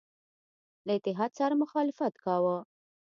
له اتحاد سره مخالفت کاوه.